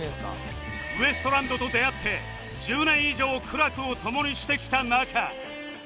ウエストランドと出会って１０年以上苦楽を共にしてきた仲